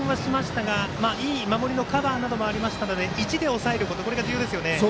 失点はしましたがいい守りのカバーもありましたので１で抑えること、重要ですね。